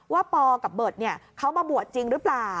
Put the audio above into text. ว่าปกับเบิร์ตเนี่ยเขามาบวชจริงหรือเปล่า